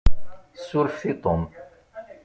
Surfet i Tom.